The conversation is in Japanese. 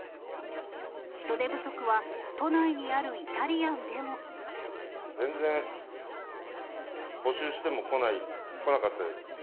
人手不足は、都内にあるイタ全然、募集しても来ない、来なかったです。